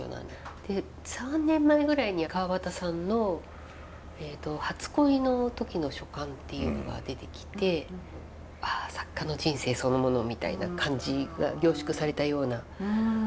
で３年前くらいに川端さんの初恋の時の書簡っていうのが出てきて作家の人生そのものみたいな感じが凝縮されたようなものでしたけど。